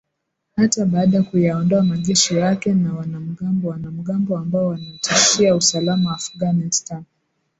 hata baada kuyaondoa majeshi yake na wanamgambo wanamgambo ambao wanatishia usalama afghanistan